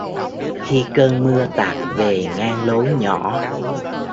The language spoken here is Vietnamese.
Khi cơn mưa tạt về ngang lối nhỏ